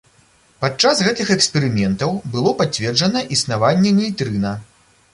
Падчас гэтых эксперыментаў было пацверджана існаванне нейтрына.